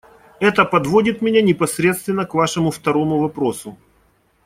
Это подводит меня непосредственно к Вашему второму вопросу.